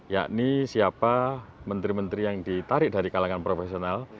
yakni siapa menteri menteri yang ditarik dari kalangan profesional